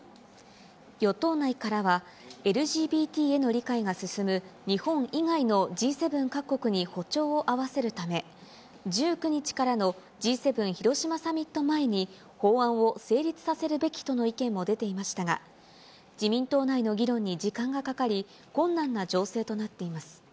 与党内からは、ＬＧＢＴへの理解が進む日本以外のＧ７各国に歩調を合わせるため、１９日からのＧ７広島サミット前に、法案を成立させるべきとの意見も出ていましたが、自民党内の議論に時間がかかり、困難な情勢となっています。